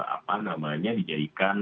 apa namanya dijadikan